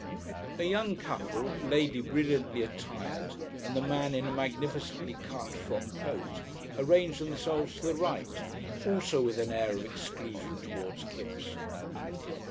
A young couple, lady brilliantly attired and the man in a magnificently cut frock coat, arranged themselves to the right, also with an air of exclusion towards Kipps.